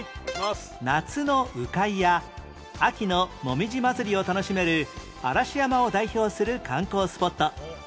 夏の鵜飼や秋のもみじ祭を楽しめる嵐山を代表する観光スポット